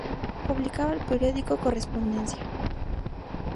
Publicaba el periódico "Correspondencia".